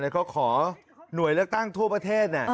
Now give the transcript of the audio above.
แล้วก็ขอหน่วยเลือกตั้งทั่วประเทศ